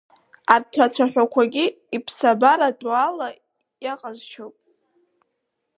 Арҭ ацәаҳәақәагьы иԥсабаратәуп, ала иаҟазшьоуп…